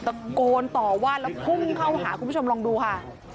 ตะโกนต่อว่าแล้วพุ่งเข้าหาคุณผู้ชมลองดูค่ะ